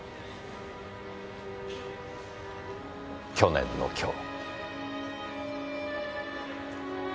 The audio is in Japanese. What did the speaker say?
去年の今日。